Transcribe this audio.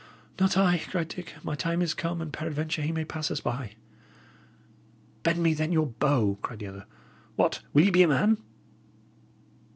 "Not I," said Dick. "My time is come, and peradventure he may pass us by." "Bend me, then, your bow!" cried the other. "What! will ye be a man?"